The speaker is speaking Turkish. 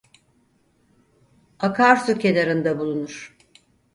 Akarsu kenarında bulunur.